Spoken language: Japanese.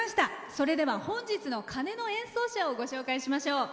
それでは、本日の鐘の演奏者をご紹介しましょう。